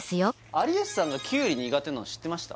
有吉さんがきゅうり苦手なの知ってました？